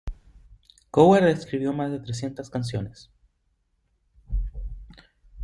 Coward escribió más de trescientas canciones.